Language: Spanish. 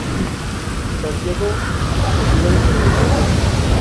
Santiago Festival Internacional de Chile.